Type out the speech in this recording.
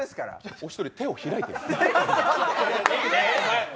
お一人、手を開いてる。